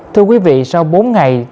thưa quý vị sau bốn ngày